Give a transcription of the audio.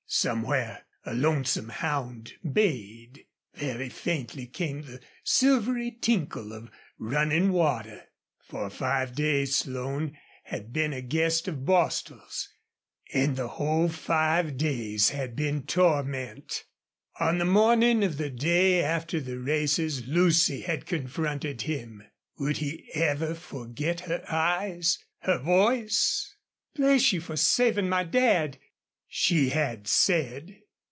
Somewhere a lonesome hound bayed. Very faintly came the silvery tinkle of running water. For five days Slone had been a guest of Bostil's, and the whole five days had been torment. On the morning of the day after the races Lucy had confronted him. Would he ever forget her eyes her voice? "Bless you for saving my dad!" she had said.